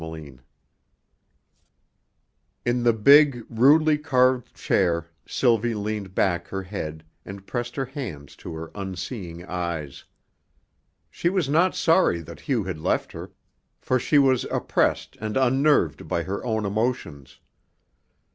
CHAPTER VI In the big, rudely carved chair Sylvie leaned back her head and pressed her hands to her unseeing eyes. She was not sorry that Hugh had left her, for she was oppressed and unnerved by her own emotions.